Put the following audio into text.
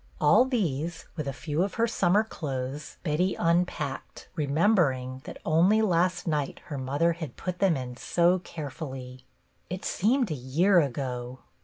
All these, with a few of her summer clothes, Betty un packed, remembering that only last night her mother had put them in so carefully. It seemed a year ago